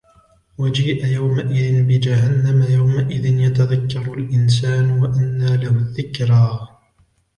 وجيء يومئذ بجهنم يومئذ يتذكر الإنسان وأنى له الذكرى